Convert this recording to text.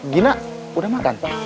gina udah makan